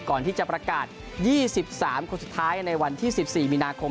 ก่อนที่จะประกาศ๒๓คนสุดท้ายในวันที่๑๔มีนาคม